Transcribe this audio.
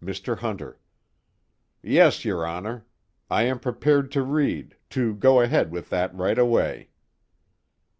MR. HUNTER: Yes, your Honor. I am prepared to read to go ahead with that right away.